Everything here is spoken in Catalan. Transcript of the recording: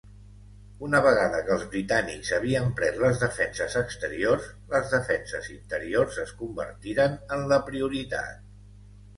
Una vegada que els britànics havien pres les defenses exteriors, les defenses interiors es convertiren en la prioritat.